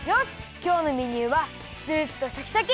きょうのメニューはツルっとシャキシャキ！